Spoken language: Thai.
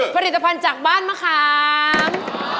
ผลิตภัณฑ์จากบ้านมะขาม